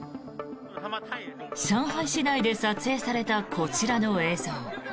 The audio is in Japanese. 上海市内で撮影されたこちらの映像。